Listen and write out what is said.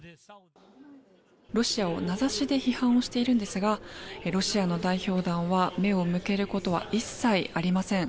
ロシアを名指しで批判をしているんですがロシアの代表団は目を向けることは一切ありません。